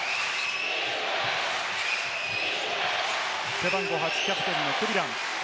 背番号８、キャプテンのクビラン。